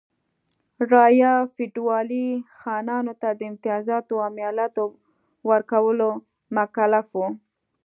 رعایا فیوډالي خانانو ته د امتیازاتو او مالیاتو په ورکولو مکلف و.